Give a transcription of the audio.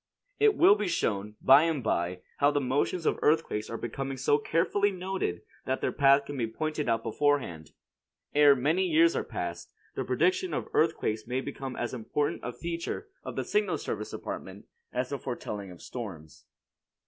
It will be shown, by and by, how the motions of earthquakes are becoming so carefully noted that their path can be pointed out beforehand. Ere many years are past, the prediction of earthquakes may become as important a feature of the Signal Service Department, as the foretelling of storms.